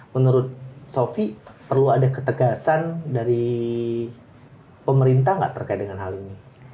menurut sofi perlu ada ketegasan dari pemerintah nggak terkait dengan hal ini